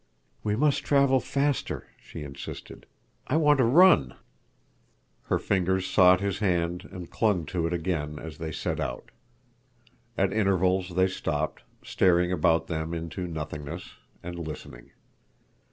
"We must travel faster," she insisted. "I want to run." Her fingers sought his hand and clung to it again as they set out. At intervals they stopped, staring about them into nothingness, and listening.